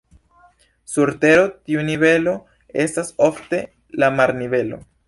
Sur Tero tiu nivelo estas ofte la marnivelo.